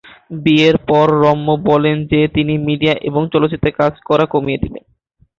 বিয়ের পর রম্য বলেন যে তিনি মিডিয়া এবং চলচ্চিত্রে কাজ করা কমিয়ে দেবেন।